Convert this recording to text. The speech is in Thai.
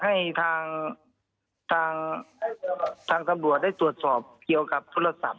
ให้ทางทางตำรวจได้ตรวจสอบเกี่ยวกับโทรศัพท์